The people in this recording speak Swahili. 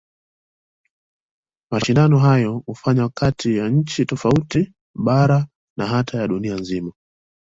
Mashindano hayo hufanywa kati ya nchi tofauti, bara na hata ya dunia nzima.